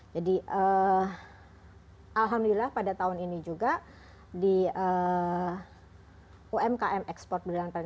jadi alhamdulillah pada tahun ini juga di umkm export brilliantpreneur